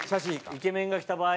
イケメンが着た場合。